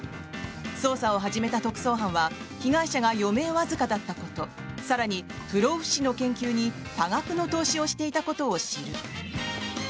捜査を始めた特捜班は被害者が余命わずかだったこと更に、不老不死の研究に多額の投資をしていたことを知る。